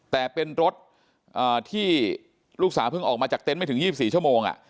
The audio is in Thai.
แต่เป็นรถที่ลูกสาวเพิ่งออกมาจากเต็นต์ไม่ถึง๒๔ชั่วโมง